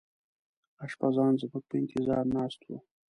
اشپزان زموږ په انتظار ناست وو.